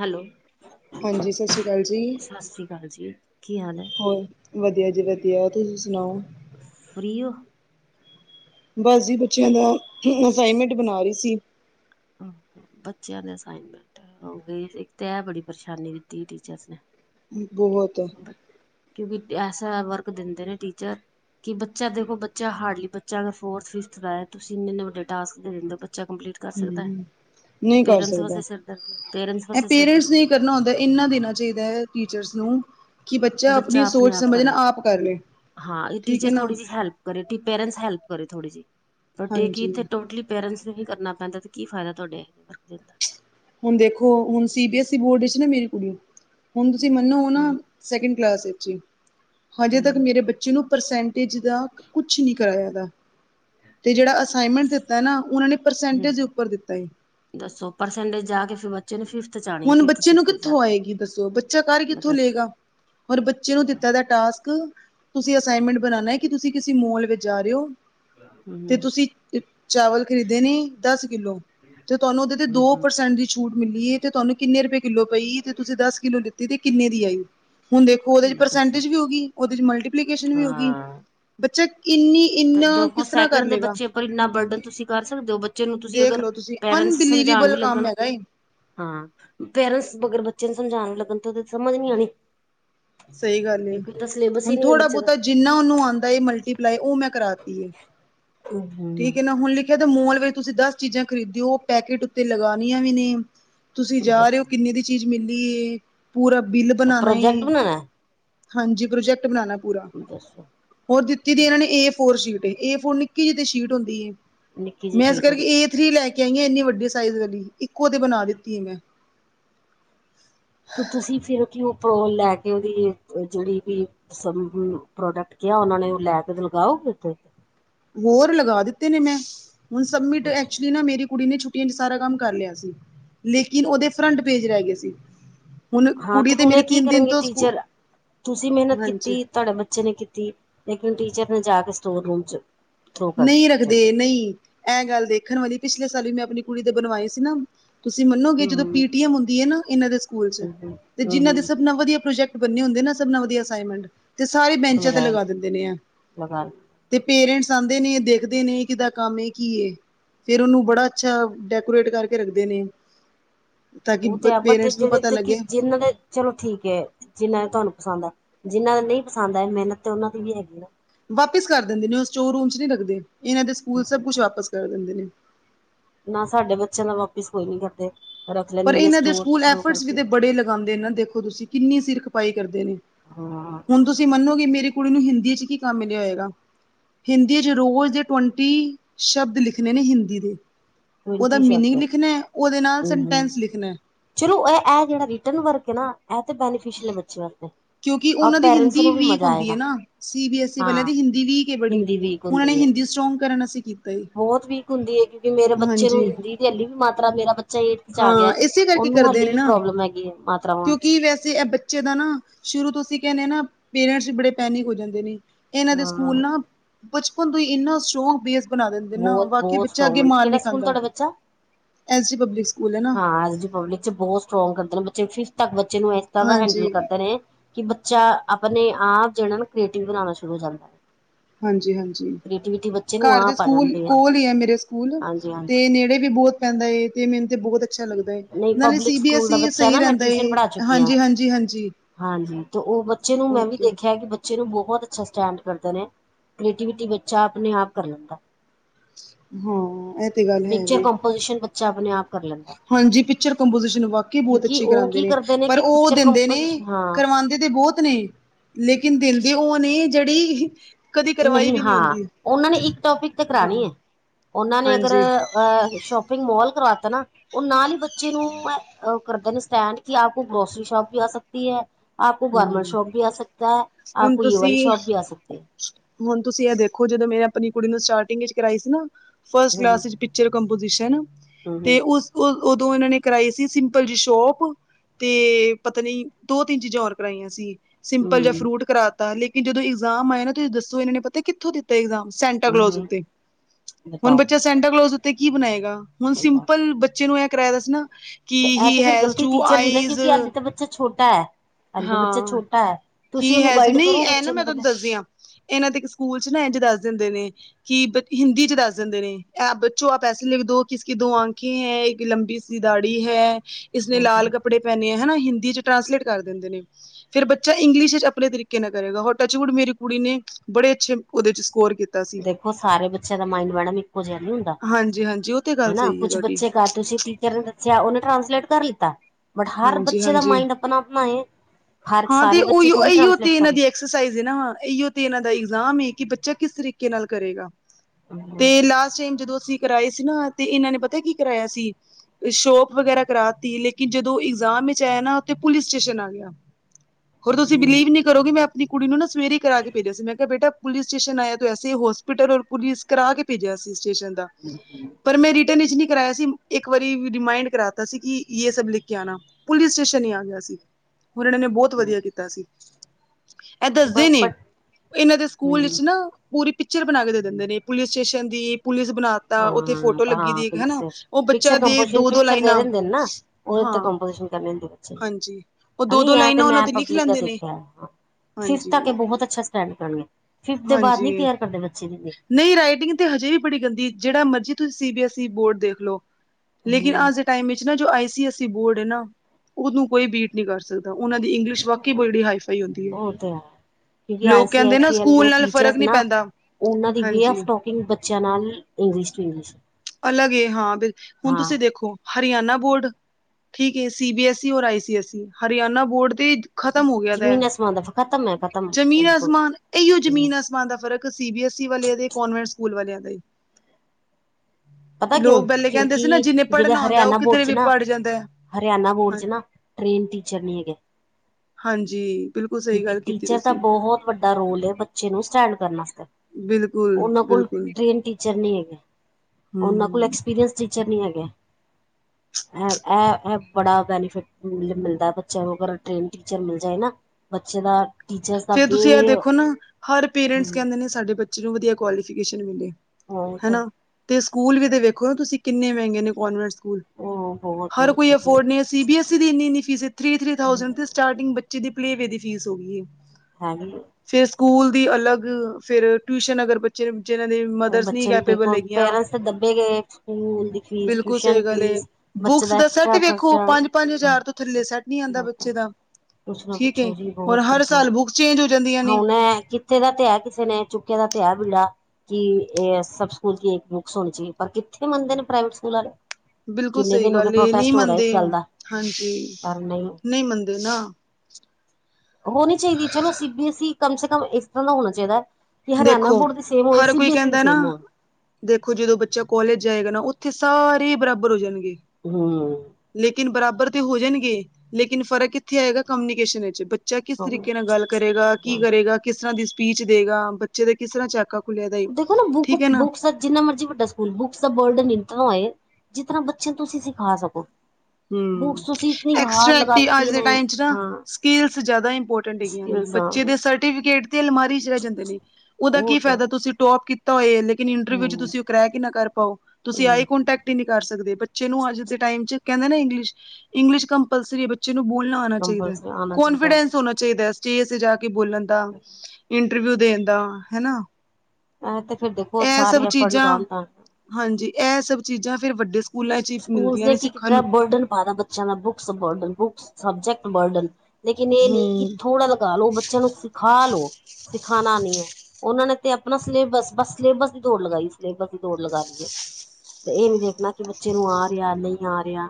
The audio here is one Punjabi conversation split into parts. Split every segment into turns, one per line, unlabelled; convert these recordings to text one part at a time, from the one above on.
ਹੈਲੋ।
ਹਾਂਜੀ, ਸਾਸਰੀ ਕਾਲ ਜੀ।
ਸਾਸਰੀ ਕਾਲ ਜੀ। ਕੀ ਹਾਲ ਐ?
ਹੋਰ, ਵਧੀਆ ਜੀ, ਵਧੀਆ। ਤੁਸੀਂ ਸੁਣਾਓ?
ਫਰੀ ਓ?
ਬਸ ਜੀ ਬੱਚਿਆਂ ਦਾ, ਅਸਾਈਮੈਂਟ ਬਣਾ ਰਹੀ ਸੀ।
ਬੱਚਿਆਂ ਦਾ ਅਸਾਈਨਮੈਂਟ ਹੋ ਗਈ। ਇੱਕ ਤੇ ਐਹ ਬੜੀ ਪਰੇਸ਼ਾਨੀ ਦਿੱਤੀ, ਟੀਚਰਸ ਨੇ।
ਬਹੁਤ ਐ।
ਕਿਉਂਕਿ, ਐਸਾ ਵਰਕ ਦਿੰਦੇ ਨੇ ਟੀਚਰ ਕਿ ਬੱਚਾ ਦੇਖੋ, ਬੱਚਾ ਹਾਡਲੀ, ਬੱਚਾ ਅਗਰ ਫੋਰਥ-ਫਿਫਥ ਦਾ ਐ। ਤੁਸੀਂ ਇੰਨੇ-ਇੰਨੇ ਵੱਡੇ ਟਾਸਕ ਦੇ ਦਿੰਦੇ‌। ਬੱਚਾ ਕੰਪਲੀਟ ਕਰ ਸਕਦਾ ਹੈ?
ਹੂੰ।
ਤੇ
ਨਹੀਂ ਕਰ
ਪੇਰੈਂਟਸ
ਸਕਦਾ।
ਵਾਸਤੇ ਸਿਰਦਰਦੀ, ਪੇਰੈਂਟਸ
ਐਹ
ਵਾਸਤੇ
ਪੇਰੈਂਟਸ ਨੇ
ਸਿਰਦਰਦੀ
ਈ‌ ਕਰਨਾ ਹੁੰਦਾ। ਇੰਨਾ ਦੇਣਾ ਚਾਹੀਦਾ ਐ ਟੀਚਰਸ ਨੂੰ ਕਿ
ਹੈ।
ਬੱਚਾ ਆਪਣੀ
ਆਪਣੇ ਆਪ
ਸੋਚ-ਸਮਝ‌ ਨਾ
ਕਰੇ,
ਆਪ ਕਰ ਲੇ।
ਹਾਂ ਇਹ
ਠੀਕ
ਟੀਚਰ
ਏ ਨਾ।
ਥੋੜ੍ਹੀ ਜਿਹੀ ਹੈਲਪ ਕਰੇ ਕਿ ਪੇਰੈਂਟਸ ਹੈਲਪ ਕਰੇ ਥੋੜੀ ਜੀ ਬਟ ਇਹ ਕੀ
ਹਾਂਜੀ
ਸਰੂ ਟੋਟਲੀ ਪੇਰੈਂਟਸ ਨੂੰ ਹੀ ਕਰਨਾ ਪੈਂਦਾ ਤੇ ਕੀ ਫਾਇਦਾ ਤੁਹਾਡੇ
ਹੁਨ ਦੇਖੋ ਹੁਨ C B S E board ਇਚ ਨਾ ਮੇਰੀ ਕੁੜੀ ਹੁਨ ਤੁਸੀਂ ਮੰਨੋ ਨਾ
ਹੂੰ।
ਸੈਕਿੰਡ ਕਲਾਸ ਇਚ ਈ ਹਜੇ ਤੱਕ ਮੇਰੇ
ਹੂੰ-ਹੂੰ
ਬੱਚੇ ਨੂੰ ਪਰਸੈਂਟੇਜ ਦਾ ਕੁਛ ਨੀ ਕਰਾਇਆ ਦਾ ਤੇ ਜੇਹੜਾ ਅਸਾਈਨਮੈਂਟ ਦਿੱਤਾ ਨਾ ਉਹਨਾਂ ਨੇ ਪਰਸੈਂਟੇਜ ਦੇ ਉੱਪਰ ਦਿੱਤਾ ਏ।
ਦੱਸੋ ਪਰਸੈਂਟੇਜ ਜਾ ਕੇ ਫੇਰ ਬੱਚ ਚਲੋ ਫਿਫਥ ਚ ਆ
ਹੁਨ ਬੱਚੇ ਨੂੰ ਕਿੱਥੋਂ ਆਏਗੀ ਦੱਸੋ, ਬੱਚਾ ਕਰ
ਮੈਂ
ਕਿੱਥੋਂ
ਦੱਸੋ
ਲਏਗਾ ਹੋਰ ਬੱਚੇ ਨੂੰ ਦਿੱਤਾ
ਬਤਾਓ
ਦ ਟਾਸਕ ਤੁਸੀ ਅਸਾਈਮੈਂਟ ਬਨਾਨਾ ਕਿ ਤੁਸੀਂ ਕਿਸੀ ਮੋਲ ਵਿਚ ਜਾ ਰੇ ਔ। ਤੇ ਤੁਸੀਂ ਅ ਚਾਵਲ ਖਰੀਦੇ ਨੇ ਦਸ ਕਿਲੋ। ਤੇ ਤੁਹਾਨੂੰ ਓਹਦੇ ਤੇ ਦੋ
ਹੂੰ-ਹੂੰ-ਹੂੰ
ਪਰਸੈਂਟ ਦੀ ਛੂਟ ਮਿਲੀ ਏ ਤੇ ਤੁਹਾਨੂੰ ਕਿੰਨੇ ਰੁਪੇ ਕਿੱਲੋ ਪਈ ਤੇ ਤੁਸੀਂ ਦਸ ਕਿੱਲੋ ਲਿੱਤੀ ਤੇ ਕਿੰਨੇ ਦੀ ਆਈ? ਹੁਨ ਦੇਖੋ ਓਹਦੇ ਚ
ਦੱਸੋ
ਪਰਸੈਂਟੇਜ ਵੀ ਹੋਗੀ। ਓਹਦੇ ਚ ਮਲਟੀਪਲੀਕੇਸ਼ਨ ਵੀ ਹੋਗੀ।
ਹਾਂ
ਬੱਚਾ ਇੰਨੀ
ਤੇ
ਇੰਨਾ
ਦੋਖੋ
ਕਿਸ ਤਰ੍ਹਾਂ ਕਰ
ਸੈਕਿੰਡ ਦੇ
ਲਏਗਾ
ਬੱਚੇ ਉੱਪਰ ਇੰਨਾ ਬਰਡਨ ਤੁਸੀਂ ਕਰ ਸਕਦੇ ਔ। ਬੱ ਬੱਚੇ ਨੂੰ ਤੁਸੀਂ
ਦੇਖ
ਅਗਰ
ਲੋ ਤੁਸੀਂ
ਪੈਰੈਂਟਸ ਸਮਜਾਣ
ਅਨਬਿਲੀਵੇਬਲ
ਵੀ
ਕੰਮ
ਲੱਗਣ
ਹੈਗਾ ਏ।
ਹਾਂ ਪੈਰੈਂਟਸ ਅਗਰ ਬੱਚੇ ਨੂੰ ਸਮਝਾਣ ਵੀ ਲੱਗਣ ਤੇ ਓਹਦੇ ਇਚ ਸਮਜ ਨੀ ਆਣੀ।
ਸਹੀ ਗੱਲ ਏ,
ਕਿਉਂਕਿ ਉਹਦਾ ਸਿਲੇਬਸ ਹੀ
ਹੁਨ
ਨੀ ਹੈ
ਥੋੜਾ
ਬੱਚੇ ਦਾ
ਬੌਤਾ ਜਿੰਨਾ ਓਨੂੰ ਆਂਦਾ ਏ ਮਲਟੀਪਲਾਈ ਓਹ ਮੈਂ ਕਰਾਤੀ ਏ ਠੀਕ
ਹੂੰ-ਹੂੰ
ਏ ਨਾ ਹੁਨ ਲਿ ਕਿ ਅਦਰ ਮੋਲ ਵਿਚ ਤੁਸੀਂ ਦਸ ਚੀਜ਼ਾਂ ਖਰੀਦਦੇ ੳ ਪੈਕੇਟ ਉੱਤੇ ਲਗਾਨੀਆਂ ਵੀ ਨੇ। ਤੁਸੀਂ ਜਾ ਰੇ ਔ
ਦੱਸੋ
ਕਿੰਨੇ ਦੀ ਚੀਜ਼ ਮਿਲੀ ਏ ਪੂਰਾ ਬਿੱਲ
ਇਹ
ਬਨਾਨਾ
ਪ੍ਰੋਜੈਕਟ
ਏ।
ਬਣਾਣਾ
ਹਾਂਜੀ ਪ੍ਰੋਜੈਕਟ ਬਨਾਨਾ ਪੂਰਾ।
ਦੱਸੋ
ਹੋਰ ਦਿੱਤੀ ਤੇ ਏਨਾਂ ਨੇ ਏ ਫੋਰ ਸ਼ੀਟ ਏ। ਏ ਫੋਰ ਨਿੱਕੀ ਜੀ ਤੇ ਸ਼ੀਟ ਹੋਂਦੀ ਏ।
ਨਿੱਕੀ ਜਿਹੀ
ਮੈਂ ਐਸ
ਚੀਜ਼
ਕਰਕੇ
ਹੁੰਦੀ
ਏ ਥਰੀ ਲੈ ਕੇ ਆਈ ਆ ਏਨੇ ਵੱਡੀ ਸਾਈਜ਼ ਅਲੀ ਇੱਕੋ ਤੇ ਬਨਾ ਦਿੱਤੀ ਏ ਮੈਂ।
ਤੇ ਤੁਸੀਂ ਫੇਰ ਕੀ ਉਪਰੋਵਲ ਲੈ ਕੇ ਉਹਦੀ ਅ ਜੇੜੀ ਵੀ ਸਮ ਪ੍ਰੋਡਕਟ ਕਿਐ ਓਹਨਾ ਨੇ ਉਹ ਲੈ ਕੇ ਤੇ ਲਗਾਓਗੇ ਉਤੇ।
ਹੋਰ ਲਗਾ ਦਿੱਤੇ ਨੇ ਮੈਂ ਹੁਨ ਸਮਿਟ ਐਕਚੁਲੀ ਨਾ ਮੇਰੀ ਕੁੜੀ ਨੇ ਛੁੱਟ ਕਿੰਜ ਸਾਰਾ ਕੰਮ ਕਰ ਲਿਆ ਸੀ। ਲੇਕਿਨ ਓਦੇ ਫਰੰਟ ਪੇਜ ਰਹਿ ਗਏ ਸੀ। ਹੁਣ
ਹਾਂ
ਕੁੜੀ
ਤੇ ਹੁਨ
ਮੇਰੇ
ਐਹ ਕੀ
ਤਿੰਨ ਦਿਨ
ਕਰਨਗੇ
ਤੋਂ ਸਕੂ
ਟੀਚਰ ਤੁਸੀਂ ਮੇਹਨਤ
ਹਾਂਜੀ
ਕੀਤੀ ਤਾਡੇ ਬੱਚੇ ਨੇ ਕੀਤੀ, ਲੇਕਿਨ ਟੀਚਰ ਨੇ ਜਾ ਕੇ ਸਟੋਰ ਰੂਮ ਚ ਥਰੋ ਕਰ
ਨਹੀਂ
ਦੇਣੀ ਚਲੋ
ਰੱਖਦੇ ਨਹੀਂ ਐਹ ਗੱਲ ਦੇਖਣ ਵਾਲੀ ਪਿਛਲੇ ਸਾਲ ਵੀ ਮੈਂ ਅਪਨੀ ਕੁੜੀ ਦੇ ਬਨਵਾਏ ਸੀ ਨਾ ਤੁਸੀਂ ਮੰਨੋਗੇ ਜਦੋਂ
ਹੂੰ
ਪੀਟੀਐਮ ਹੁੰਦੀ ਏ ਨਾ ਇਹਨਾਂ ਦੇ ਸਕੂਲ ਚ
ਹੂੰ
ਤੇ
ਹੂੰ
ਜਿਨਾਂ ਦੇ
ਹੂੰ
ਸਭ ਨਾਲ ਵਧੀਆ ਪ੍ਰੋਜੈਕ ਬੰਨੇ ਹੁੰਦੇ ਨਾ ਸਭ ਨਾਲ ਵਧੀਆ ਅਸਾਈਨਮੈਂਟ ਤੇ ਸਾਰੇ ਬੈਂਚਾਂ ਤੇ
ਲਗਾਇਆ
ਲਗਾ ਦੇਂਦੇ ਨੇ ਐ।
ਲਗਾ
ਤੇ ਪੇਰੇਂਟਸ ਆਂਦੇ ਨੇ ਦੇਖਦੇ ਨੇ ਕਿੱਦਾ ਕੰਮ ਏ ਕੀ ਏ। ਫੇਰ ਉਨੂੰ ਬੜਾ ਅੱਛਾ ਡੈਕੋਰੇਟ ਕਰਕੇ ਰੱਖਦੇ ਨੇ। ਤਾਂ
ਉਹ
ਕਿ
ਤੇ ਹੈ ਬਟ
ਪੇਰੈਂਟਸ ਨੂੰ
ਜੇੜੇ
ਪਤਾ
ਤੇ ਕਿ
ਲੱਗੇ
ਜਿਨ ਦੇ ਚਲੋ ਠੀਕ ਹੈ ਜਿੰਨਾਂ ਨੇ ਤੁਹਾਨੂੰ ਪਸੰਦ ਆ, ਜਿਨਾ ਦੇ ਨਹੀਂ ਪਸੰਦ ਆਏ ਮੇਨਤ ਤੇ ਓਹਨਾਂ ਦੀ ਵੀ ਹੈਗੀ ਆ।
ਵਾਪਿਸ ਕਰ ਦੇਂਦੇ ਨੇ ਓਹ ਸਟੋਰ ਰੂਮ ਚ ਨੀ ਰਖਦੇ। ਇਹਨਾਂ ਦੇ ਸਕੂਲ
ਅੱਛਾ
ਸਭ ਕੁਛ
ਅੱਛਾ
ਵਾਪਿਸ ਕਰ ਦੇਂਦੇ ਨੇ।
ਨਾ ਸਾਡੇ ਬੱਚੇਆਂ ਦਾ ਵਾਪਿਸ ਕੋਈ ਨੀ ਕਰਦੇ। ਰੱਖ
ਪਰ
ਲੈਂਦੇ ਨੇ
ਇਹਨਾਂ ਦੇ
ਸਟੋਰ ਚ
ਸਕੂਲ
ਥਰੋ
ਐਫਰਟਸ
ਕਰਕੇ
ਵੀ ਬੜੇ ਲਗਾਂਦੇ ਨੇ ਨਾ ਦੇਖੋ ਤੁਸੀਂ ਕਿੰਨੀ ਸਿਰਖਪਾਈ ਕਰਦੇ ਨੇ।
ਹਾਂ।
ਹੁਨ ਤੁਸੀਂ ਮੰਨੋਗੇ ਮੇਰੀ ਕੁੜੀ ਨੂੰ ਹਿੰਦੀ ਚ ਕੀ ਕੰਮ ਮਿਲਿਆ ਹੋਏਗਾ। ਹਿੰਦੀ 'ਚ ਰੋਜ਼ ਦੇ ਟਵੰਟੀ ਸ਼ਬਦ ਲਿਖਨੇ ਨੇ ਹਿੰਦੀ ਦੇ। ਓਦਾ
ਟਵੰਟੀ ਸ਼ਬਦ
ਮੀਨਿੰਗ
ਹੈ
ਲਿਖਨਾ ਓਹਦੇ ਨਾਲ
ਹਮ
ਸਨ
ਹਮ ਚਲੋ ਐ ਐਹ ਜੇੜਾ ਰਿਟਨ ਵਰਕ ਏ ਨਾ ਐ ਤੇ ਬੈਨੀਫਿਸੀ਼ਲ ਏ ਬੱਚੇਆਂ ਅਸਤੇ।
ਕਿਉਂਕਿ ਓਨਾਂ ਦੀ ਹਿੰਦੀ ਵੀਕ ਹੁੰਦੀ ਏ ਨਾ, ਸੀ ਬੀ ਐਸ ਈ ਵਾਲਿਆਂ
ਹਾਂ
ਦੀ ਹਿੰਦੀ ਵੀਕ ਏ ਬੜੀ।
ਹਿੰਦੀ ਵੀਕ
ਓਨਾਂ ਨੇ ਹਿੰਦੀ ਸਟਰੋਂਗ ਕਰਨ ਅਸੇ ਕੀਤਾ ਈ।
ਬੌਤ ਵੀਕ ਹੁੰਦੀ ਏ ਕਿਉਕਿ ਮੇਰੇ ਬੱਚੇ ਨੂੰ ਹਿੰਦੀ ਦੀ ਹਲੀ ਵੀ ਮਾਤਰਾ ਮੇਰਾ ਬੱ
ਹਾਂ, ਇਸੀ ਕਰਕੇ ਕਰਦੇ ਨੇ ਨਾ,
ਪ੍ਰੋਬਲਮ ਹੈਗੀ ਹੈ ਮਾਤਰਾਵਾਂ ਚ
ਕਿਉਂਕਿ ਵੈਸੇ ਐ ਬੱਚੇ ਦਾ ਨਾ ਸ਼ੁਰੂ ਤੋਂ ਅਸੀਂ ਕੈਨੇ ਆਂ ਨਾ ਪੇਰੈਂਟਸ ਵੀ ਬੜੇ ਪੈਨਿਕ ਹੋ ਜਾਂਦੇ ਨੇ, ਐਨਾਂ ਦੇ
ਹਾਂ
ਸਕੂਲ ਨਾ ਬਚਪਨ ਤੋਂ ਈ ਇੰਨਾ ਸਟ੍ਰੋਂਗ ਬੇਸ ਬਣਾ ਦਿੰਦੇਣ ਨਾ
ਬਹੁਤ
ਵਾਕੀ
ਬਹੁਤ
ਬੱਚਾ ਅੱਗੇ
ਪ੍ਰੋਬਲਮ
ਮਾਰ
ਕਿਹੜਾ
ਨੀ
ਸਕੂਲ
ਖਾਂਦਾ।
ਤੁਹਾਡਾ ਬੱਚਾ
ਐਸ ਡੀ ਪਬਲੀਕ ਸਕੁ
ਹਾਂ, ਐਸ ਡੀ ਪਬਲਿਕ ਚ ਬੌਤ ਸਟਰੋਂਗ ਕਰਦੇ ਨੇ, ਬੱਚੇ ਫਿਫਥ ਤੱਕ ਬੱਚੇ ਨੂੰ ਐਸ ਤਰ੍ਹਾਂ ਦਾ
ਹਾਂਜੀ
ਹੈਂਡਲ ਕਰਦੇ ਨੇ ਕਿ ਬੱਚਾ ਅਪਨੇ ਆਪ ਜੇੜਾ ਨਾ ਕ੍ਰੀਏਟਿਵ ਬਣਾਣਾ ਸ਼ੁਰੂ ਹੋ ਜਾਂਦੈ।
ਹਾਂਜੀ-ਹਾਂਜੀ।
ਬੱਚੇ ਨੂੰ
ਘਰ ਦੇ
ਆਪ ਆ
ਸਕੂਲ
ਜਾਂਦੀ ਹੈ
ਕੋਲ ਈ ਐ ਮੇਰੇ ਸਕੂਲ,
ਹਾਂਜੀ ਹਾਂਜੀ
ਤੇ ਨੇੜੇ ਵੀ ਬੌਤ ਪੈਂਦਾ ਏ ਤੇ ਮੈਨੂੰ ਤੇ ਬੌਤ ਅੱ ਅੱਛਾ ਲਗਦਾ ਏ,
ਨਹੀਂ
ਨਾਲੇ
ਪਬਲਿਕ
ਸੀ ਬੀ
ਸਕੂਲ
ਐਸ
ਦਾ
ਈ
ਬੱਚਾ
ਸਹੀ
ਨਾ ਮੈਂ
ਰੈਂਦਾ
ਟਿਊਸ਼ਨ
ਏ,
ਪੜ੍ਹਾ ਚੁੱਕੀ ਹਾਂ
ਹਾਂਜੀ-ਹਾਂਜੀ-ਹਾਂਜੀ।
ਹਾਂਜੀ, ਤਾਂ ਓ ਬੱਚੇ ਨੂੰ ਮੈਂ ਵੀ ਦੇਖਿਆ ਕਿ ਬ ਬੱਚੇ ਨੂੰ ਬਹੁਤ ਅੱਛਾ ਸਟੈਂਡ ਕਰਦੇ ਨੇ, ਕ੍ਰੀਏਟਿਵਿਟੀ ਬੱਚਾ ਅਪਣੇ ਆਪ ਕਰ ਲੈਂਦਾ।
ਹਾਂ, ਐ ਤੇ ਗੱਲ ਹੈ ਵੇ।
ਪੋਜਿਸ਼ਨ ਵ ਬੱਚਾ ਅਪਣੇ ਆਪ ਕਰ ਲੈਂਦਾ।
ਹਾਂਜੀ ਪਿੱਚਰ ਕੰਪੋਜੀਸ਼ਨ ਵ ਵਾਕੀ ਬਹੁਤ
ਕਿਉਂਕਿ
ਅੱਛੀ
ਉਹ
ਕਰਾਂਦੇ
ਕੀ
ਨੇ
ਕਰਦੇ
ਪਰ
ਕਿ
ਓ
ਪਿਕਚਰ
ਦਿੰਦੇ ਨੇ
ਕੰਪੋਜੀਸ਼ਨ ਹਾਂ
ਕਰਵਾਂਦੇ ਤੇ ਬੋਤ ਨੇ ਲੇਕਿਨ ਦੇਂਦੇ ਓ ਨੇ ਜੇੜੀ
ਨਹੀਂ ਹਾਂ, ਓਨਾਂ ਨੇ ਇੱਕ ਟੋਪਿਕ ਤੇ
ਹਾਂ
ਕਰਾਣੀ ਏ, ਓਨਾਂ ਨੇ ਅਗਰ
ਹਾਂਜੀ
ਅ ਸ਼ੋਪਿੰਗ ਮੋਲ ਕਰਵਾਤਾ ਨਾ ਓ ਨਾਲ ਈ ਬੱਚੇ ਨੂੰ ਅ ਓ ਕਰਦੇ ਨੇ ਸਟੈਂਡ ਕਿ ਆਪਕੀ ਗਰੋਸਰੀ ਸ਼ੋਪ ਵੀ ਆ ਸਕਦੀ ਐ ਆਪਕੋ ਗਾਰਰਮੈਂਟ
ਹਮ
ਸ਼ੋਪ ਵੀ ਆ ਸਕਦਾ ਐ,
ਹੁਣ
ਆਪਕੋ ਯੇ
ਤੁਸੀਂ
ਵਾਲੀ ਸ਼ੋਪ ਵੀ ਆ ਸਕਤੀ ਐ।
ਹੁਣ ਤੁਸੀਂ ਐ ਦੇਖੋ ਜਦੋਂ ਮੈਂ ਅਪਣੀ ਕੁੜੀ ਨੂੰ ਸਟਾਰਟਿੰਗ ਇਚ ਕਰਾਈ ਸੀ ਨਾ ਫਸਟ
ਹੂੰ
ਕਲਾਸ ਇਚ ਪਿ ਪਿੱਚਰ ਕੰਪੋਜਿਸ਼ਨ ਤੇ
ਹੂੰ
ਓ ਓ ਓਦੋਂ ਐਨਾਂ ਨੇ ਕਰਾਈ ਸੀ ਸਿੰਪਲ ਜੀ ਸ਼ੋਪ ਤੇ ਪਤਾ ਨੀ ਦੋ, ਤਿੰਨ ਚੀਜ਼ਾਂ ਹੋਰ ਕਰਾਈਆਂ ਸੀ, ਸਿੰਪਲ ਜਾਂ ਫਰੂਟ
ਹੂੰ
ਕਰਾ ਤਾਂ ਲੇਕਿਨ ਜਦੋਂ ਇਗਜ਼ਾਮ ਆਇਆ ਨਾ ਤੁਸੀਂ ਦੱਸੋ ਐਨਾਂ ਨੇ ਪਤਾ ਕਿੱਥੋਂ ਦਿੱ ਦਿੱਤਾ ਏਗਜਾਮ, ਸੈਂਟਾ ਕਲੋਜ
ਹੂੰ
ਉੱਤੇ ਹੁਣ
ਬਤਾਓ
ਬੱਚਾ ਸੈਂਟਾ ਕਲੋਜ ਉੱਤੇ ਕੀ ਬਣਾਏਗਾ। ਹੁਣ
ਬਤਾਓ।
ਸਿੰਪਲ ਬੱਚੇ ਨੂੰ ਐ ਕਰਾਇਆ ਦਾ ਸੀ ਨਾ ਕਿ
ਤੇ ਇਹ ਤੇ
ਹੀ
ਫਿਰ
ਹੈਜ
ਗ਼ਲਤੀ
ਟੂ
ਟੀਚਰ ਦੀ ਨਾ
ਆਈਜ਼
ਕਿਉਂਕਿ ਹਾਲੇ ਤਾਂ ਬੱਚਾ ਛੋਟਾ ਐ
ਹਾਂ, ਹੀ ਹੈਜ
ਗਾਈਡ
ਨੀ
ਕਰੋ
ਐ ਨਾ
ਬੱਚੇ ਨੂੰ
ਮੈਂ ਤੁਆਨ
ਪਹਿਲੇ
ਦੱਸਦੀ ਆ ਐਨਾਂ ਦੇ ਇੱਕ ਸਕੂਲ ਚ ਨਾ ਐਂਜ ਦੱਸ ਦਿੰਦੇ ਨੇ ਕਿ ਬ ਹਿੰਦੀ ਚ ਦੱਸ ਦਿੰਦੇ ਨੇ ਐ ਬੱਚੋ ਆਪ ਐਸੇ ਲਿਖ ਦੋ ਕਿ ਇਸਕੀ ਦੋ ਆਂਖੇ ਐ, ਇੱਕ ਲੰਬੀ ਦੀ ਦਾੜੀ ਹੈ, ਇਸਨੇ
ਹੂੰ
ਲਾਲ
ਹੂੰ।
ਕੱਪੜੇ ਪਹਿਨੇ ਹੈ ਹਨਾ ਹਿੰਦੀ ਚ ਟ੍ਰਾਂਸਲੇਟ ਕਰ ਦਿੰਦੇ ਨੇ ਫੇਰ ਬੱਚਾ ਇੰਗਲਿਸ਼ ਇਚ ਅਪਣੇ ਤਰੀਕੇ ਨਾਲ ਕਰੇਗਾ ਹੋਰ ਟੱਚਵੁਡ ਮੇਰੀ ਕੁੜੀ ਨੇ ਬੜੇ ਅੱਛੇ ਉਦੇ ਚ ਸਕੋਰ ਕੀਤ
ਦੇਖੋ ਸਾਰੇ ਬੱਚਿਆਂ ਦਾ ਮਾਇੰਡ ਮੈਡਮ ਇੱਕੋ ਜਿਆ ਨੀ ਹੁੰਦਾ,
ਹਾਂਜੀ ਹਾਂਜੀ ਉਹ ਤੇ ਗੱਲ
ਹਨਾ
ਸਹੀ ਹੈ
ਕੁਛ
ਤੁਹਾਡੀ
ਬੱਚੇ ਕਰ ਤੁਸੀਂ ਟੀਚਰ ਨੇ ਦੱਸਿਆ ਓਨੇ ਟਰਾਂਸਲੇਟ ਕਰ ਲਿੱਤਾ ਬਟ ਹਰ
ਹਾਂਜੀ
ਬੱਚੇ ਦਾ
ਹਾਂਜੀ
ਮਾਇੰਡ ਅਪਣਾ-ਅਪਣਾ ਏ, ਹਰ
ਹਾਂ ਤੇ
ਸਾਰੇ ਬੱਚੇ
ਉਹੀਓ
ਥੋੜ੍ਹੀ
ਇਹੀਓ
ਟ੍ਰਾਂਸਲੇਟ
ਤੇ ਇਹਨਾਂ
ਕਰ
ਦੀ ਐਕਸਰਸਾਈਜ਼ ਏ ਨਾ, ਐਈਓ ਤੇ ਐਨਾ ਦਾ ਇਗਜ਼ਾਮ ਏ ਕਿ ਬੱਚਾ ਕਿਸ ਤਰੀਕੇ ਨਾਲ ਕਰੇਗਾ। ਤੇ ਲਾਸਟ ਟਾਈਮ ਜਦੋਂ ਅਸੀਂ ਕਰਾਏ ਸੀ ਨਾ ਤੇ ਇਨਾਂ ਨੇ ਪਤਾ ਕੀ ਕਰਾਇਆ ਸੀ ਸ਼ੋਪ ਵਗੈਰਾ ਕਰਾਤੀ ਏ ਲੇਕਿਨ ਜਦੋਂ ਇਗਜ਼ਾਮ ਇਚ ਆਇਆ ਨਾ ਉਥੇ ਪੁਲਿਸ ਸਟੇਸ਼ਨ ਆ ਗਿਆ ਹੋਰ ਤੁਸੀਂ ਬਿਲੀਵ ਨੀ ਕਰੋਗੀ ਮੈਂ ਆਪਣੀ ਕੁੜੀ ਨੂੰ ਨਾ ਸਵੇਰੇ ਕਰਾ ਕੇ ਭੇਜਿਆ ਸੀ ਮੈਂ ਕੈਆ ਬੇਟਾ ਪੁਲਿਸ ਸਟੇਸ਼ਨ ਆਯਾ ਤੋ ਐਸੇ ਹੋਸ ਪਿਟਲ ਔਰ ਪੁਲਿਸ ਕਰਾ ਕੇ ਭੇਜਿਆ ਸੀ ਸਟੇਸ਼ਨ ਦਾ ਪਰ ਮੈਂ ਰਿਟਨ ਇੱਚ ਨੀ ਕਰਾਇਆ ਸੀ ਏਕ ਵਾਰੀ ਰੀਮਾਇਡ ਕਰਾਤਾ ਸੀ ਕਿ ਯੇ ਸਭ ਲਿਖ ਕੇ ਆਣਾ, ਪੁਲਿਸ ਸਟੇਸ਼ਨ ਈ ਆ ਗਿਆ ਸੀ। ਔਰ ਏਨਾਂ ਨੇ ਬੋਤ ਵਧੀਆ ਕੀਤਾ ਸੀ। ਐ ਦੱਸਦੇ ਨੇ
ਬਟ
ਏਨਾਂ ਦੇ ਸਕੂਲ ਇੱਚ
ਹਮ
ਨਾ ਪੂਰੀ ਪਿਕਚਰ ਬਣਾ ਕੇ ਦੇ ਦਿੰਦੇ ਨੇ ਪੁਲਿਸ ਸਟੇਸ਼ਨ ਦੀ ਪੁਲਿਸ ਬਣਾ ਤਾਂ ਓਥੇ
ਹਾਂ
ਫੋਟੋ ਲੱਗੀ
ਹਾਂ
ਦੀ ਹੈਨਾ
ਪਿਕਸਰ
ਓ ਬੱਚਾ ਦੀ ਦੋ-ਦੋ ਲਾਈਨਾਂ
ਓਦੇ ਤੇ
ਹਾਂ
ਕੰਪੋਜ਼ਿਸ਼ਨ ਕਰਨੀ ਹੁੰਦੀ ਬੱਚੇ ਨੇ
ਹਾਂਜੀ ਉਹ ਦੋ
ਹਨੀ
ਦੋ
ਐ ਤੇ
ਲਾਈਨਾਂ ਉਹਨਾਂ
ਮੈਂ
ਲਿਖ
ਪਬਲਿਕ ਦਾ
ਲੈਂਦੇ ਨੇ
ਦੇਖਿਆ, ਸਿਸ
ਹਾਂਜੀ
ਤਾਂ ਕੇ- ਬੋਤ ਅੱਛਾ ਸਟੈਂਡ ਕਰਰੀ
ਹਾਂਜੀ। ਨਈ ਰਾਈਟਿੰਗ ਤੇ ਹਜੇ ਵੀ ਬੜੀ ਗੰਦੀ ਜੇੜਾ ਮਰਜ਼ੀ ਤੁਸੀਂ C B S E board ਦੇਖ ਲਓ। ਲੇਕਿਨ
ਹਮ
ਅੱਜ ਦੇ ਟਾਈਮ ਵਿੱਚ ਨਾ ਜੋ ਆਈਸੀ ਐਸ ਈ ਬੋਰਡ ਐ ਨਾ ਓਨੂੰ ਕੋਈ ਬੀਟ ਨੀ ਕਰ ਸਕਦਾ ਓਨਾਂ ਦੀ ਇੰਗਲਿਸ਼ ਵਾਕੀ ਬੋੜੀ ਹਾਈਫਾਈ ਹੁੰਦੀ ਐ
ਉਹ
ਲੋਕ ਕੈਂਦੇ ਨਾ
ਜੇੜੇ
ਸਕੂਲ ਨਾਲ ਫ਼ਰਕ
ਟੀਚਰਸ
ਨਹੀਂ
ਨਾ,
ਪੈਂਦਾ
ਓਨਾਂ ਦੀ ਵੇ
ਹਾਂਜੀ
ਆਫ ਟੋਕਿੰਗ ਬੱਚਿਆਂ ਨਾਲ ਇੰਗਲਿਸ਼ ਟੂ ਇੰਗਲਿਸ਼
ਅਲੱਗ ਏ ਹਾਂ ਬਿਲ, ਹੁਣ
ਹਾਂ
ਤੁਸੀਂ ਦੇਖੋ ਹਰਿਆਣਾ ਬੋਰਡ, ਠੀਕ ਐ ਸੀ ਬੀ ਐਸ ਈ ਔਰ I C S C Haryana board ਦੇ ਖ਼ਤਮ ਹੋ ਗਿਆ ਦਾ ਐ,
ਜ਼ਮੀਨ ਅਸਮਾਨ ਦਾ ਖ਼ਤਮ ਹੈ ਖ਼ਤਮ
ਜ਼ਮੀਨ
ਬਿਲਕੁਲ
ਅਸਮਾਨ ਐਈਓ ਜ਼ਮੀਨ ਅਸਮਾਨ ਮਾਨ ਦਾ ਫ਼ਰਕ ਸੀ ਬੀ ਐਸੀ ਈ ਵਾਲਿਆਂ ਤੇ ਕਨਵੈਂਟ ਸਕੂਲ ਵਾਲਿਆਂ ਦਾ ਈ
ਪਤਾ ਕਿਉਂ?
ਲੋਕ ਪਹਿਲੇ ਕਹਿੰਦੇ
ਕਿਉਂਕਿ
ਸੀ ਨਾ ਜਿਹਨੇ
ਜੇੜਾ
ਪੜ੍ਹਨਾ ਹੁੰਦਾ
ਹਰਿਆਣਾ
ਉਹ
ਬੋਰਡ
ਕਿੱਧਰੇ
ਚ
ਵੀ
ਨਾ
ਪੜ੍ਹ ਜਾਂਦਾ ਹੈ।
ਹਰਿਆਣਾ ਬੋਰਡ
ਹਾਂ
ਚ ਨਾ ਟ੍ਰੇਨ ਟੀਚਰ ਨੀ ਹੈਗੇ
ਹਾਂਜੀ, ਬਿਲਕੁਲ ਸਈ
ਕਿਉਂਕਿ
ਗੱਲ ਕੀਤੀ
ਟੀਚਰ ਦਾ
ਤੁਸੀਂ
ਬਹੁਤ ਵੱਡਾ ਰੋਲ ਏ ਬੱਚੇ ਨੂੰ ਸਟੈਂਡ ਕਰਨ ਆਸਤੇ,
ਬਿਲਕੁਲ
ਓਨਾਂ ਕੋਲ
ਬਿਲਕੁਲ
ਟ੍ਰੇਨ ਟੀਚਰ ਨੀ ਹੈਗੇ ਓਨਾਂ ਕੋਲ
ਹੂੰ
ਐਕਸਪੀਰੀਅੰਸ ਟੀਚਰ ਨਈ ਹੈਗੇ ਐ, ਐ-ਐ ਬੜਾ ਬੈਨੀਫਿਟ ਮਿਲਦਾ ਬੱਚਿਆਂ ਨੂੰ ਅਗਰ ਟ੍ਰੇਨ ਟੀਚਰ ਮਿਲ ਜਾਏ ਨਾ ਬੱਚੇ ਦਾ ਟੀਚਰਸ ਦਾ
ਫੇਰ ਤੁਸੀਂ ਐ
ਵੇ
ਦੇਖੋ ਨਾ, ਹਰ ਪੇਰੈਂਟਸ ਕੈਂਦੇ ਨੇ ਸਾਡੇ ਬੱਚੇ ਨੂੰ ਵਧੀਆ ਕੁਆਲੀਫਿਕੇਸਨ ਮਿਲੇ
ਬਹੁਤ
ਹੈਨਾ, ਤੇ ਸਕੂਲ ਵੀ ਤੇ ਵੇਖੋ ਨਾ, ਤੁਸੀਂ ਕਿੰਨੇ ਮੈਂਗੇ ਨੇ ਕਨਵੈਂਟ ਸਕੂਲ
ਓ ਬੋਹਤ
ਹਰ ਕੋਈ ਅਫੋਰਡ ਨੀ ਐ, ਸੀ ਬੀ ਐੱਸ ਦੀ ਏਨੀ-ਏਨੀ ਫੀਸ ਥਰੀ- ਥਰੀ ਥਾਓਸੈਂਡ ਤੇ ਸਟਾਰਟਿੰਗ ਬੱਚੇ ਦੀ ਪਲੇ ਵੇ ਦੀ ਫੀਸ ਹੋ ਗਈ ਏ। ਹੈ
ਹੈਗੀ ਏ।
ਫੇਰ ਸਕੂਲ ਦੀ ਅਲੱਗ, ਫੇਰ ਟਿਊਸ਼ਨ ਅਗਰ ਬ ਚੇ ਜਿਨਾਂ ਦੀ ਮਦਰਸ ਨੀ
ਬੱਚੇ ਨੂੰ
ਕੈਪੇਬਲ
ਦੇਖੋ
ਹੈਗੀਆਂ,
ਪੇਰੈਂਟਸ ਤੇ ਦੱਬੇ ਗਏ ਸਕੂਲ ਦੀ ਫੀਸ
ਬਿਲਕੁਲ ਸਈ
ਟਿਊਸ਼ਨ
ਗੱਲ ਏ
ਫੀਸ ਬੱਚੇ
ਬੁੱਕਸ ਦਾ ਸੈੱਟ ਤੇ
ਐਕਸਟਰਾ
ਵੇਖੋ
ਖਰਚਾ
ਪੰਜ ਪੰਜ ਹਜ਼ਾਰ ਤੋਂ ਥੱਲੇ ਸੈੱਟ ਨੀ ਆਂਦਾ ਬੱਚੇ ਦਾ,
ਕੁਛ ਨਾ
ਠੀਕ
ਪੁੱਛੋ
ਏ,
ਜੀ
ਔਰ
ਬਹੁਤ
ਹਰ
ਪਰੇਸ਼ਾਨ
ਸਾਲ ਬੁੱਕ
ਹੁਣ ਐ ਕਿੱਥੇ ਦਾ ਤੇ ਹੈ, ਕਿਸੇ ਨੇ ਚੁੱਕੇਆ ਦਾ ਤੇ ਹੈ ਬੀੜਾ ਕਿ ਐ ਸਭ ਸਕੂਲ ਕੀ ਏਕ ਬੁੱਕਸ ਹੋਣੀ ਚਇਐ, ਪਰ ਕਿੱਥੇ ਮੰਨਦੇ ਨੇ ਪ੍ਰਾਈਵੇਟ ਸਕੂਲ ਵਾਲੇ
ਬਿਲਕੁਲ
ਕਿੰਨੇ
ਸਈ
ਦਿਨ ਹੋ ਗਏ
ਗੱਲ ਐ, ਨੀ
ਪ੍ਰੋਟੈਸਟ ਹੋ ਰਿਹਾ ਇਸ
ਮੰਨਦੇ।
ਗੱਲ ਦਾ
ਹਾਂਜੀ,
ਪਰ ਨਹੀਂ
ਨਈ ਮੰਨਦੇ ਨਾ
ਹੋਣੀ ਚਾਇਦੀ, ਚਲੋ ਸੀ ਬੀ ਐਸ ਈ, ਕਮ ਸੇ ਕਮ ਇਸ ਤਰ੍ਹਾਂ ਦਾ ਹੋਣਾ ਚਾਇਦਾ ਕਿ ਹਰਿਆਣਾ
ਦੇਖੋ
ਬੋਰਡ ਦੇ ਸੇਮ ਹੋਏ,
ਹਰ
ਸੀ
ਕੋਈ
ਬੀ ਐੱਸ ਈ ਦੇ
ਕਹਿੰਦਾ ਨਾ
ਸੇਮ ਹੋਏ
ਦੇਖੋ ਜਦੋਂ ਬੱਚਾ ਕੋਾਲਜ ਜਾਏਗਾ ਨਾ ਓਥੇ ਸਾਰੇ ਈ ਬਰਾਬਰ ਹੋ ਜਾਣਗੇ
ਹੂੰ।
ਲੇਕਿਨ ਬਰਾਬਰ ਤੇ ਹੋ ਜਾਣਗੇ, ਲੇਕਿਨ ਫਰਕ ਕਿੱਥੇ ਆਏਗਾ ਕਮਿਊਨੀਕੇਸ਼ਨ ਏਚ ਬ ਬੱਚਾ ਕਿਸ ਤਰੀਕੇ ਨਾਲ ਗੱਲ ਕਰੇਗਾ, ਕੀ ਕਰੇਗਾ ਕਿਸ ਤਰ੍ਹਾਂ ਦੀ ਸਪੀਚ ਦੇਗਾ, ਬੱਚੇ ਦੇ ਕਿਸ ਤਰ੍ਹਾਂ ਚੈੱਕ
ਦੇਖੋ ਨਾ ਬੁੱਕ-ਬੁੱਕਸ ਜਿੰਨਾ ਮਰਜ਼ੀ ਵੱਡਾ ਸਕੂਲ ਬੁੱਕਸ ਦਾ ਬਰਡਨ ਇਧਰੋਂ ਆਏ, ਜਿਸ ਤਰ੍ਹਾਂ ਬੱਚਿਆਂ ਨੂੰ ਤੁਸੀਂ ਸਿਖਾ ਸਕੋ
ਹੂੰ
ਬੁੱਕਸ ਤੁਸੀਂ ਇਤਨੀ ਹਾਰਡ
ਐਕਸਟਰਾ
ਲਗਾ
ਐਟੀ ਅੱਜ
ਦਿੱਤੀ
ਦੇ
ਨੇ
ਟਾਈਮ ਚ ਨਾ
ਹਾਂ
ਸਕਿਲਸ ਜਿਆਦਾ ਇੰਪੋਰਟੈਂਟ ਹੈਗੀਆਂ ਨੇ,
ਸਕਿਲਸ
ਬੱਚੇ ਦੇ ਸਰਟੀਫਿਕੇਟ ਤੇ ਅਲਮਾਰੀ ਚ ਰਹਿ ਜਾਂਦੇ ਨੇ, ਉਹਦਾ
ਉਹ
ਕੀ
ਤੇ
ਫਾਇਦਾ ਤੁਸੀਂ ਟੋਪ ਕੀਤਾ ਹੋਏ ਇੰਨੇ ਇੰਟਰਵਿਊ ਚ
ਹੂੰ
ਤੁਸੀਂ ਉਹ ਕਰ੍ਰੈਕ ਹੀ ਨਾ ਕਰ ਪਾਓ, ਤੁਸੀਂ ਆਏ
ਹੂੰ
ਕੋਂਟੈਕਟ ਹੀ ਨਹੀਂ ਕਰ ਸਕਦੇ, ਬੱਚੇ ਨੂੰ ਅੱਜ ਦੇ ਟਾਈਮ ਚ ਕਹਿੰਦੇ ਨੇ ਇੰਗਲਿਸ਼, ਇੰਗਲਿਸ਼ ਕੰਪਲਸਰੀ ਬੱਚੇ ਨੂੰ ਬੋਲਣਾ ਆਉਣਾ ਚਾਹੀਦਾ ਹੈ,
ਕੰਪਲਸਰੀ ਆਣਾ ਚਾਹੀਦਾ
ਕੋਂਨਫੀਡੈਂਸ ਹੋਣਾ ਚਾਹੀਦਾ ਸਟੇਜ ਤੇ ਜਾ ਕੇ ਬੋਲਣ ਦਾ, ਇੰਟਰਵਊ ਦੇਣ ਦਾ ਹਨਾ।
ਆ ਤੇ ਫਿਰ ਦੇਖੋ
ਇਹ ਸਭ
ਸਾਰੇ ਐਫਰਟ
ਚੀਜ਼ਾਂ
ਲਗਾਉਣ ਤਾਂ
ਹਾਂਜੀ, ਇਹ ਸਭ ਚੀਜ਼ਾਂ ਫਿਰ ਵੱਡੇ ਸਕੂਲਾਂ ਚ ਹੀ ਮਿਲਦੀਆਂ ਨੇ ਸਿੱਖਣ
ਐ
ਨੂੰ।
ਬਰਡਨ ਬਾਰਾਂ ਬੱਚਿਆਂ ਦਾ, books burden, books subject burden ਲੇਕਿਨ ਇਹ ਨਹੀਂ ਕਿ
ਹੂੰ,
ਥੋੜਾ ਲਗਾ ਲਓ, ਬੱਚਿਆਂ ਨੂੰ ਸਿਖਾ ਲੋੋ, ਸਿਖਾਉਣਾ ਨਹੀਂ ਏ ਉਹਨਾਂ ਨੇ ਤੇ ਆਪਣਾ ਸਿਲੇਬਸ - ਬਸ ਸਿਲੇਬਸ ਦੀ ਦੌੜ ਲਗਾਈ, ਸਿਲੇਬਸ ਦੀ ਦੌੜ ਲਗਾਈ ਏ ਤੇ ਇਹ ਨੀ ਦੇਖਣਾ ਕਿ ਬੱਚੇ ਨੂੰ ਆ ਰਿਹਾ, ਨਹੀਂ ਆ ਰਿਹਾ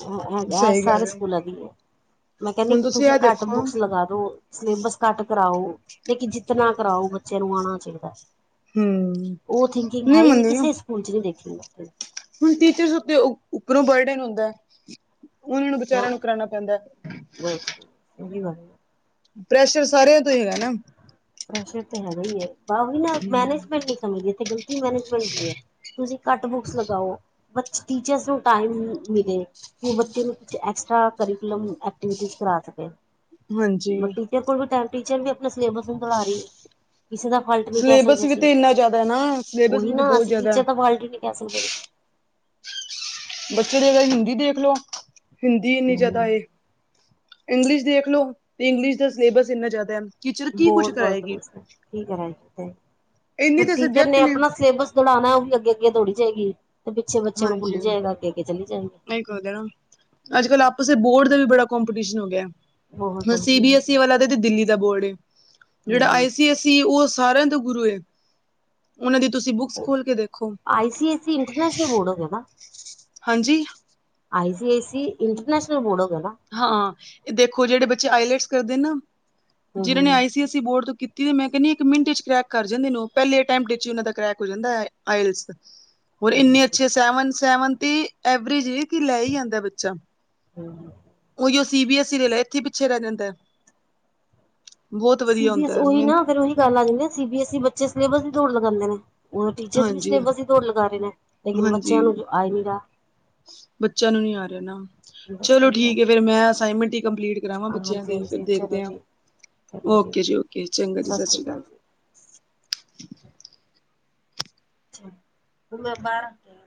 ਇਹ ਇਹ ਇਹ
ਸਹੀ
ਸਾਰੇ
ਗੱਲ ਏ।
ਸਕੂਲਾਂ ਦੀ ਆ, ਮੈਂ ਕਹਿੰਦੀ
ਹੁਣ
ਤੁਸੀਂ
ਇਹ
ਘੱਟ
ਦੇਖੋ
ਬੁੱਕਸ ਲਗਾ ਦੋ ਸਿਲੇਬਸ ਘੱਟ ਕਰਾਓ, ਲੇਕਿਨ ਜਿੱਤਣਾ ਕਰਾਓ ਬੱਚੇ ਨੂੰ ਆਉਣਾ ਚਾਹੀਦਾ
ਹੂੰ
ਉਹ ਥਿੰਕਿੰਗ ਹੈ ਹੀ ਨਹੀਂ,
ਮੰਨਦੇ ਨਾ
ਕਿਸੇ ਸਕੂਲ ਚ ਨਹੀਂ ਦੇਖੇ ਜਾਂਦੇ
ਹੁਣ ਟੀਚਰਸ ਉੱਤੇ ਉੱਪਰੋਂ ਬਰਡੇਨ ਹੁੰਦਾ, ਉਹਨਾਂ ਨੂੰ ਵਿਚਾਰਿਆਂ ਨੂੰ ਕਰਾਉਣਾ ਪੈਂਦਾ
ਬਸ ਉਹੀਓ ਹਾਲ ਹੈ
ਪ੍ਰੈਸ਼ਰ ਸਾਰਿਆਂ ਤੋਂ ਹੀ ਹੈਗਾ ਨਾ
ਪ੍ਰੈਸ਼ਰ ਤਾਂ ਹੈਗਾ ਹੀ ਹੈ, ਬਸ ਉਹੀ ਨਾ ਮੈਨੇਜਮੈਂਟ ਨਹੀਂ ਸਮਝਦੀ ਇੱਥੇ ਗਲਤੀ ਮੈਨੇਜਮੈਂਟ ਦੀ ਏ ਤੁਸੀਂ ਘੱਟ ਬੁਕਸ ਲਗਾਓ, ਬਚ ਟੀਚਰ ਨੂੰ ਟਾਈਮ ਮਿਲੇ ਕਿ ਉਹ ਬੱਚੇ ਬੱਚੇ ਐਕਸਟਰਾ [unintelligible] ਐਕਟੀਵਿਟੀ ਕਰਾ ਸਕੇ
ਹਾਂਜੀ।
ਤੇਰੇ ਕੋਲ ਵੀ ਟਾਈਮ ਟੀਚਰ ਵੀ ਆਪਣਾ ਸਿਲੇਬਸ ਕਰਾ ਰਹੀ ਕਿਸੇ ਦਾ ਫਾਲਟ ਨਹੀਂ ਕਹਿ
ਸਿਲੇਬਸ
ਸਕਦੇ
ਵੀ
ਅਸੀਂ
ਤੇ ਇੰਨਾ
ਵਿੱਚ
ਜ਼ਿਆਦਾ ਨਾ ਸਿਲੇਬਸ
ਉਹੀ
ਵੀ ਤੇ
ਨਾ
ਬਹੁਤ
ਅਸੀਂ
ਜ਼ਿਆਦਾ
ਟੀਚਰ ਦਾ ਫਾਲਟ ਹੀ ਨਹੀਂ ਕਹਿ ਸਕਦੇ ਵਿੱਚ
ਬੱਚੇ ਦੇ ਹਿੰਦੀ ਦੇਖ ਲਓ ਹਿੰਦੀ ਇੰਨੀ ਜ਼ਿਆਦਾ
ਹੂੰ
ਏ। ਇੰਗਲਿਸ਼ ਦੇਖ ਲੋ ਤੇ ਇੰਗਲਿਸ਼ ਦਾ ਸਿਲੇਬਸ ਇੰਨਾ ਜ਼ਿਆਦਾ ਹੈ ਟੀਚਰ ਕੀ ਕੁਛ ਕਰਾਏਗੀ।
ਠੀਕ ਹੈ ਹੈ ਪਰ
ਇੰਨੇ ਤਾਂ
ਟੀਚਰ
ਸਬਜੈਕਟ
ਨੇ ਆਪਣਾ ਸਿਲੇਬਸ ਦੜਾਉਣਾ ਉਹ ਵੀ ਅੱਗੇ ਅੱਗੇ ਦੌੜੀ ਜਾਏਗੀ ਤੇ ਪਿੱਛੇ ਬੱਚਿਆਂ ਨੂੰ
ਹਾਂਜੀ
ਭੁੱਲੀ ਜਾਏਗਾ ਅੱਗੇ ਅੱਗੇ ਚਲੀ ਜਾਏਗੀ।
ਨਹੀਂ ਕਰਦੇ ਨਾ ਅੱਜ ਕੱਲ ਆਪਸ ਦੇ ਬੋਰਡ ਦਾ ਵੀ ਬੜਾ ਕੰਪੀਟੀਸ਼ਨ ਹੋ
ਬਹੁਤ
ਗਿਆ
ਹੂੰ
C B S I C S Delhi ਦਾ ਬੋਰਡ ਏ ਜਿਹੜਾ
ਹੂੰ
ਆਈ ਸੀ ਐਸ ਸੀ ਉਹ ਸਾਰਿਆਂ ਦੇ ਗੁਰੂ ਏ ਉਹਨਾਂ ਦੀ ਤੁਸੀਂ ਬੁੱਕਸ ਖੋਲ ਕੇ ਦੇਖੋ।
I C I C international board ਹੋ ਗਿਆ ਨਾ।
ਹਾਂਜੀ।
I C I C international board ਹੋ ਗਿਆ ਨਾ।
ਹਾਂ ਇਹ ਦੇਖੋ ਜਿਹੜੇ ਬੱਚੇ ਆਈਲੈਟਸ ਕਰਦੇ ਨਾ
ਨਾ
ਜਿਹਨਾਂ ਨੇ ਆਈ ਸੀ। ਆਈ ਸੀ ਬੋਰਡ ਤੋਂ ਕੀਤੀ ਤੇ ਮੈਂ ਕਹਿੰਦੀ ਇੱਕ ਮਿੰਟ ਚ ਕਰ੍ਰੈਕ ਕਰ ਜਾਂਦੇ ਲੋਕ ਪਹਿਲੇ ਅ ਟੈਂਮਟ ਚ ਹੀ ਉਹਨਾਂ ਦਾ ਕਰੈਕ ਹੋ ਜਾਂਦਾ ਹੈ ਆਇਲਸ ਦਾ। ਹੋਰ ਇੰਨੇ ਅੱਛੇ ਸੈਵਨ ਸੈਵਨ ਟੀ ਐਵਰੇਜ ਕਿ ਲੈ ਹੀ ਆਂਦਾ ਬੱਚਾ।
[unintelligible]
ਉਹੀ ਸੀ ਬੀ ਐੱਸ ਈ ਲੈ ਇੱਥੇ ਪਿੱਛੇ ਰਹਿ ਜਾਂਦਾ ਹੈ। ਬਹੁਤ
ਸੀ
ਵਧੀਆ
ਬੀ ਐਸ
ਹੁੰਦਾ ਹੈ
ਉਹੀ
ਮਿਨ
ਨਾ ਫਿਰ ਉਹੀ ਗੱਲ ਆ ਜਾਂਦੀ ਸੀ ਬੀ ਐਸ ਈ ਬੱਚੇ ਸਲੇਬਸ ਦੀ ਦੋੜ ਲਗਾਉਂਦੇ ਨੇ। ਓ ਟੀਚਰਸ ਵੀ
ਹਾਂਜੀ
ਸਿਲੇਬਸ ਦੀ ਦੋੜ ਲਗਾ ਰਹੇ ਨੇ ਲੇਕਿਨ
ਹਾਂਜੀ
ਬੱਚਿਆਂ ਨੂੰ ਆ ਨੀ ਰਿਹਾ।
ਬੱਚਿਆਂ ਨੂੰ ਨੀ ਆ ਰਿਹਾ ਨਾ ਚਲੋ ਠੀਕ ਹੈ ਫਿਰ ਮੈਂ ਅਸਾਈਨਮੈਂਟ ਹੀ ਕੰਪਲੀਟ। ਗ੍ਰਵਾਂ ਬੱਚਿਆਂ
ਹਾਂਜੀ
ਦੇ ਫਿਰ
ਹਾਂਜੀ
ਦੇਖਦੇ
ਚਲੋ
ਆ
ਜੀ
ਓਕੇ ਜੀ ਓਕੇ ਚੰਗਾ ਜੀ ਸਤਿ ਸ੍ਰੀ ਅਕਾਲ।
ਅੱਛਾ, ਉਹ ਮੈਂ ਬਾਰ ਕੇ